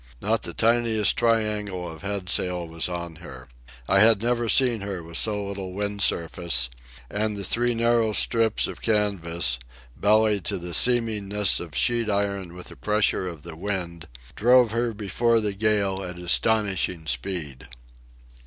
Not the tiniest triangle of headsail was on her. I had never seen her with so little wind surface, and the three narrow strips of canvas, bellied to the seemingness of sheet iron with the pressure of the wind, drove her before the gale at astonishing speed.